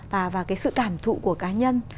và cái sự cảm thụ của cá nhân